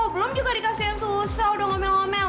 belum juga dikasih yang susah udah ngomel ngomel